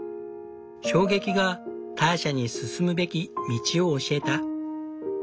衝撃がターシャに進むべき道を教えた。